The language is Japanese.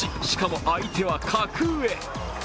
しかも相手は格上。